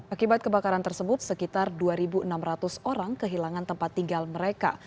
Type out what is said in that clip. akibat kebakaran tersebut sekitar dua enam ratus orang kehilangan tempat tinggal mereka